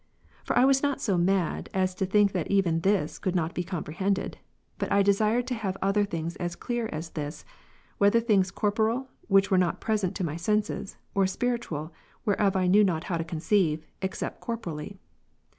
For I was not so mad, as to think that even this could not be comprehended ; but I desired to have other things as clear as this, whether things corporeal, which were not present to my senses, or spiritual, whereof I knew not how to conceive, except corporeally.